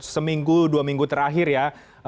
seminggu dua minggu terakhir ya